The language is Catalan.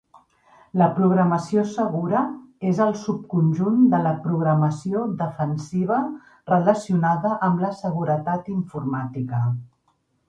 La programació segura és el subconjunt de la programació defensiva relacionada amb la seguretat informàtica.